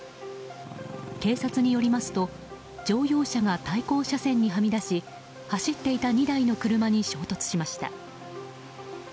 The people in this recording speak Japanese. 警察によりますと乗用車が対向車線にはみ出し走っていた２台の車に衝突しました。